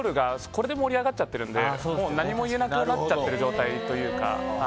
これで盛り上がっちゃってるのでもう何も言えなくなっちゃってる状態というか。